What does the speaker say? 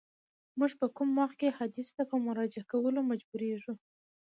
موږ په کوم وخت کي حدیث ته په مراجعه کولو مجبوریږو؟